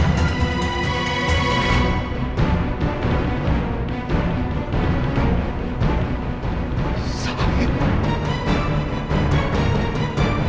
sampai jumpa di video selanjutnya